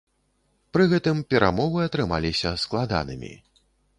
Пры гэтым перамовы атрымаліся складанымі.